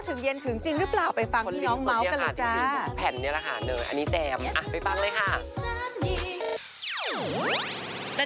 ซื้อของมาฝากบ่อยมากขนมหมาถึงบ้านเลย